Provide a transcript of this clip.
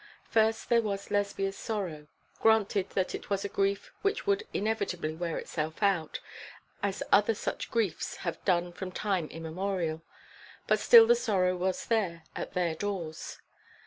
First there was Lesbia's sorrow. Granted that it was a grief which would inevitably wear itself out, as other such griefs have done from time immemorial; but still the sorrow was there, at their doors.